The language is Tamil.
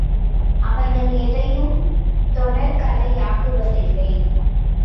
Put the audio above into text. அவர்கள் எதையும் தொடர்கதையாக்குவதில்லை.